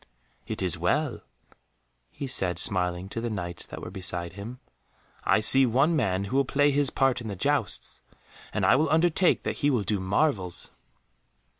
"It is well," he said, smiling to the Knights that were beside him, "I see one man who will play his part in the jousts, and I will undertake that he will do marvels."